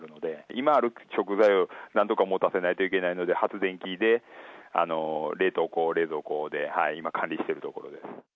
今ある食材をなんとかもたせないといけないので、発電機で冷凍庫、冷蔵庫で今、管理しているところです。